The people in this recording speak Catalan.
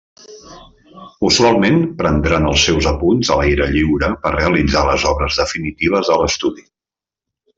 Usualment prendran els seus apunts a l'aire lliure per realitzar les obres definitives a l'estudi.